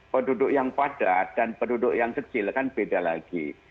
penduduk yang padat dan penduduk yang kecil kan beda lagi